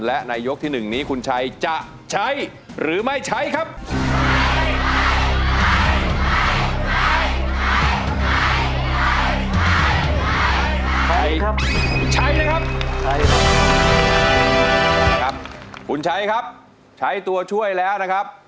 และในยกที่๑นี้คุณชัยจะใช้หรือไม่ใช้ครับ